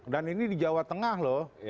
dan ini di jawa tengah loh